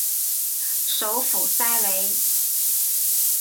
首府塞雷。